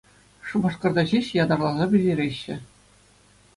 Шупашкарта ҫеҫ ятарласа пӗҫереҫҫӗ.